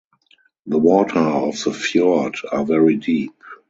The waters of the fjord are very deep.